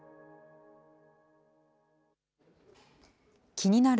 気になる